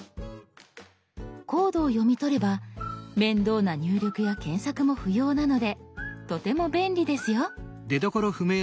コードを読み取れば面倒な入力や検索も不要なのでとても便利ですよ。